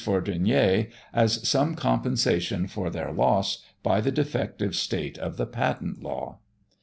Fourdrinier, as some compensation for their loss by the defective state of the patent law.